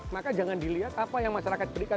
maka jangan dilihat apa yang masyarakat berikan